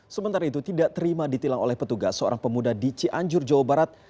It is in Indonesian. sementara itu tidak terima ditilang oleh petugas seorang pemuda di cianjur jawa barat